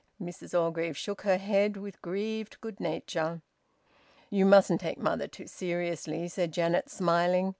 Mrs Orgreave shook her head, with grieved good nature. "You mustn't take mother too seriously," said Janet, smiling.